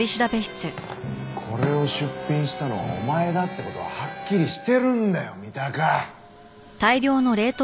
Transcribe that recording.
これを出品したのはお前だって事ははっきりしてるんだよ三鷹！